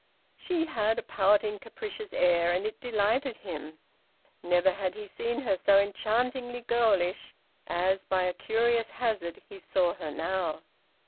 She had a pouting, capricious air, and it delighted him. Never had he seen her so enchantingly girlish as, by a curious hazard, he saw her now.